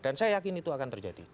dan saya yakin itu akan terjadi